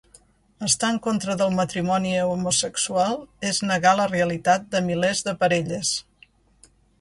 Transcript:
Estar en contra del matrimoni homosexual és negar la realitat de milers de parelles.